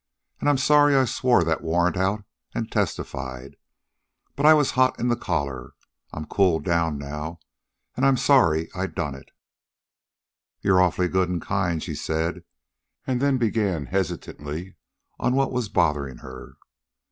And I'm sorry I swore that warrant out and testified. But I was hot in the collar. I'm cooled down now, an' I'm sorry I done it." "You're awfully good and kind," she said, and then began hesitantly on what was bothering her.